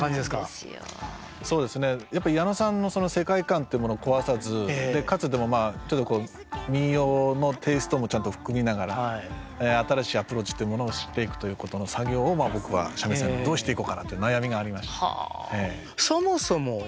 そうですねやっぱ矢野さんの世界観ってものを壊さずかつでも民謡のテーストもちゃんと含みながら新しいアプローチっていうものをしてくということの作業を僕は三味線でどうしていこうかなと悩みがありました。